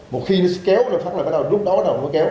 một khi nó kéo là bắt đầu rút đó rồi mới kéo